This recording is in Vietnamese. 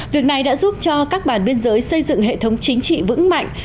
việc này đã giúp cho các bản biên giới xây dựng hệ thống chính trị vững mạnh